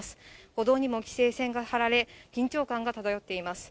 歩道にも規制線が張られ、緊張感が漂っています。